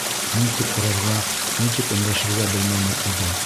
Ни тип һорарға, ни тип өндәшергә белмәне үҙе.